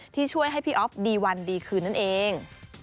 ที่ช่วยให้พี่อ๊อฟดีวันดีคืนนั่นเอง